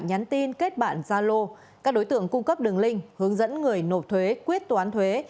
nhắn tin kết bản gia lô các đối tượng cung cấp đường link hướng dẫn người nộp thuế quyết toán thuế